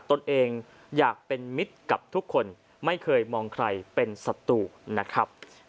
ตนเองอยากเป็นมิตรกับทุกคนไม่เคยมองใครเป็นศัตรูนะครับ